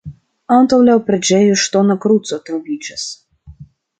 Antaŭ la preĝejo ŝtona kruco troviĝas.